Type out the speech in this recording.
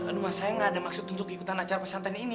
aduh saya nggak ada maksud untuk ikutan acara pesantren ini